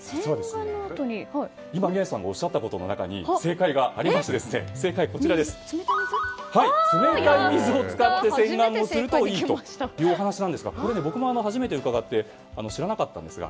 実は宮司さんがおっしゃったことの中に正解がありまして正解は冷たい水を使って洗顔をするといいというお話なんですがこれ、僕も初めて伺って知らなかったんですが。